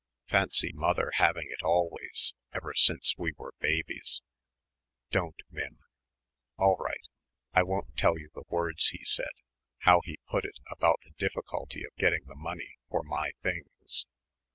Fancy mother having it always, ever since we were babies." "Don't, Mim." "All right. I won't tell you the words he said, how he put it about the difficulty of getting the money for my things."